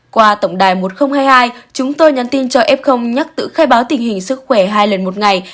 qua tổng đài một nghìn hai mươi hai chúng tôi nhắn tin cho f nhắc tự khai báo tình hình sức khỏe hai lần một ngày